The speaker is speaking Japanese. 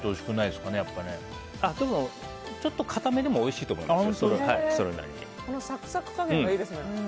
でも、ちょっとかためでもおいしいと思います。